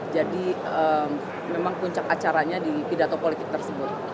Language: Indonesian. jadi memang puncak acaranya di pidato politik tersebut